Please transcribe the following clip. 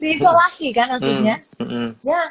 diisolasi kan maksudnya